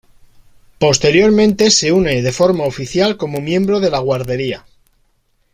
Posteriormente se une de forma oficial como miembro de la guardería.